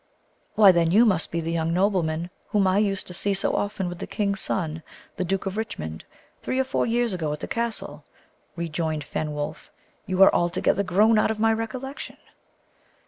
"Why, then, you must be the young nobleman whom I used to see so often with the king's son, the Duke of Richmond, three or four years ago, at the castle?" rejoined Fenwolf "You are altogether grown out of my recollection."